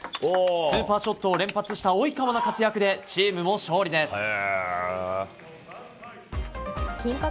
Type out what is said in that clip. スーパーショットを連発した及川の活躍でチームも勝利です。